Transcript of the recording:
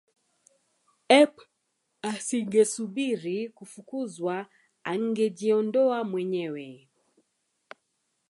ep asingesubiri kufukuzwa angejiondoa mwenyewe